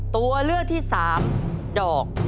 ตัวเลือกที่๓ดอก